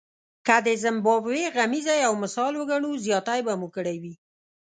که د زیمبابوې غمیزه یو مثال وګڼو زیاتی به مو کړی وي.